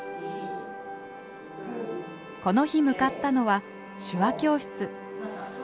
この日向かったのは手話教室。